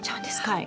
はい。